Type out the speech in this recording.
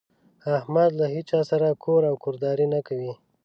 احمد له هيچا سره کور او کورداري نه کوي.